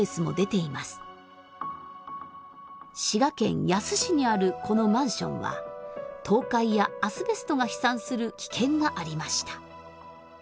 滋賀県野洲市にあるこのマンションは倒壊やアスベストが飛散する危険がありました。